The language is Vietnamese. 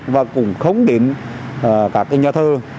và cũng không đến các nhà thơ